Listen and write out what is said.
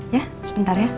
ya sebentar ya